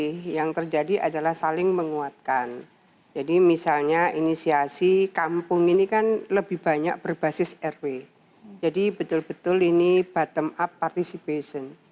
jadi misalnya ini yang terjadi adalah saling menguatkan jadi misalnya inisiasi kampung ini kan lebih banyak berbasis rw jadi betul betul ini bottom up participation